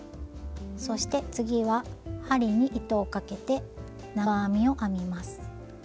そして次は針に糸をかけて長編みを編みます。